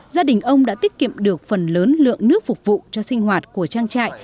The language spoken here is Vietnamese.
gia đình ông đã tiết kiệm được phần lớn lượng nước phục vụ cho sinh hoạt của trang trại